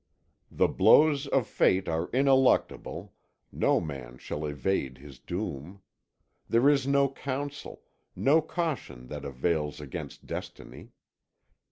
The blows of fate are ineluctable; no man shall evade his doom. There is no counsel, no caution that avails against destiny.